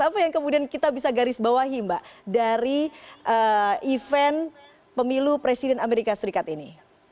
apa yang kemudian kita bisa garis bawahi mbak dari event pemilu presiden amerika serikat ini